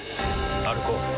歩こう。